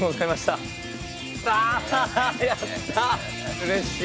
うれしい！